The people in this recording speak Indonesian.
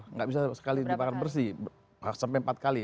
nggak bisa sekali dibakar bersih sampai empat kali